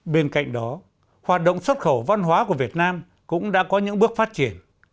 bên cạnh đó hoạt động xuất khẩu văn hóa của việt nam cũng đã có những bước phát triển